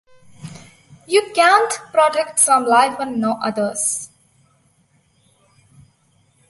You can't protect some life and not others.